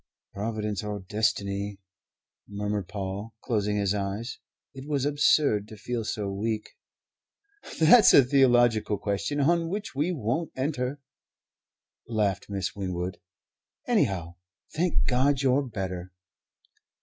"Providence or Destiny," murmured Paul, closing his eyes. It was absurd to feel so weak. "That's a theological question on which we won't enter," laughed Miss Winwood. "Anyhow, thank God, you're better."